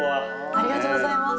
ありがとうございます。